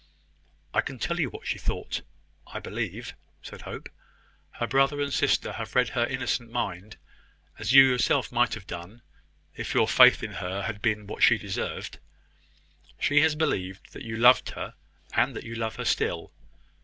"I can tell you what she has thought, I believe," said Hope. "Her brother and sister have read her innocent mind, as you yourself might have done, if your faith in her had been what she deserved. She has believed that you loved her, and that you love her still.